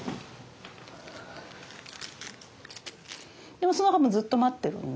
でもその間もずっと待ってるんで。